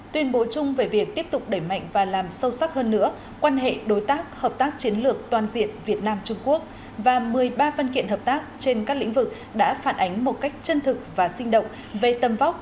tuyên bố chung về việc tiếp tục đẩy mạnh và làm sâu sắc hơn nữa quan hệ đối tác hợp tác chiến lược toàn diện việt nam trung quốc và một mươi ba văn kiện hợp tác trên các lĩnh vực đã phản ánh một cách chân thực và sinh động về tâm vóc